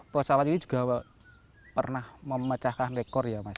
pesawat ini juga pernah memecahkan rekor ya mas